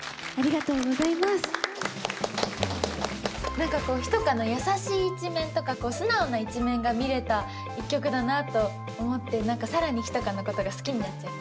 なんかこう仁香の優しい一面とか素直な一面が見れた一曲だなと思ってなんか更に仁香のことが好きになっちゃう。